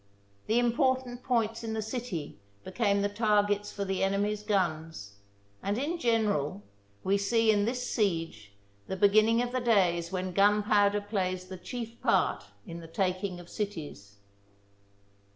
The important points in the city became the targets for the enemy's guns, and, in general, we see in this siege the beginning of the days when gunpowder plays the chief part in the taking of cities.